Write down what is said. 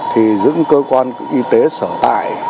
thì giữ cơ quan y tế sở tại